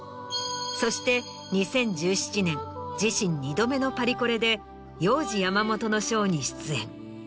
そして２０１７年自身２度目のパリコレでヨウジヤマモトのショーに出演。